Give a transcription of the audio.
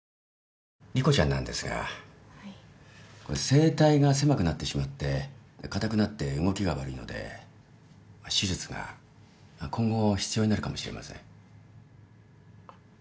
声帯が狭くなってしまって硬くなって動きが悪いので手術が今後必要になるかもしれません。